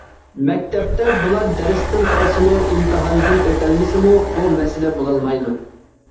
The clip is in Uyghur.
مەكتەپتە بۇلار دەرستىن قالسىمۇ، ئىمتىھاندىن ئۆتەلمىسىمۇ بۇ مەسىلە بولالمايدۇ.